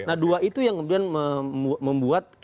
nah dua itu yang kemudian membuat